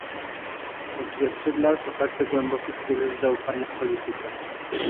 Odzwierciedla to także głęboki kryzys zaufania w polityce